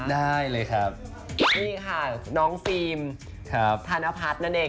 ได้เลยครับนี่ค่ะน้องฟรีมครับ